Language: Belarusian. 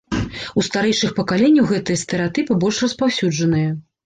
У старэйшых пакаленняў гэтыя стэрэатыпы больш распаўсюджаныя.